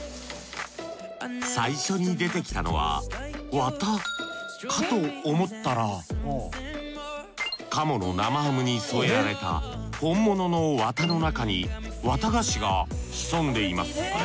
最初に出てきたのは綿かと思ったら鴨の生ハムに添えられた本物の綿の中に綿菓子が潜んでいます。